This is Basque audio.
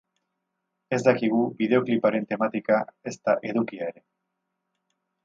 Ez dakigu bideokliparen tematika ezta edukia ere.